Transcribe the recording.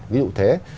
ví dụ thế